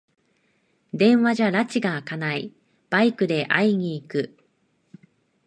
電話じゃらちがあかない、バイクで会いに行く